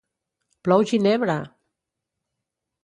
Plou ginebra!